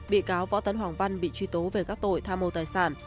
bị cáo võ tấn hoàng văn bị truy tố về các tội tham mô tài sản